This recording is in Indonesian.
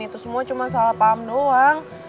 itu semua cuma salah paham doang